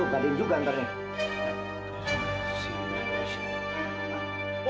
biarin juga ntar nek